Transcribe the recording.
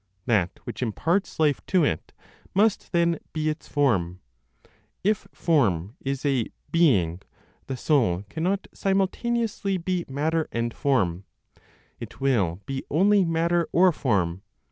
That which imparts life to it must then be its form. If form is a "being," the soul cannot simultaneously be matter and form; it will be only matter or form.